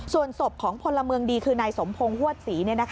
ส่วนศพของพลเมืองดีคือนายสมพงศ์ฮวดศรี